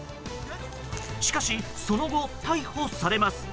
しかしその後、逮捕されます。